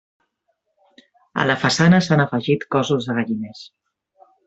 A la façana s'han afegit cossos de galliners.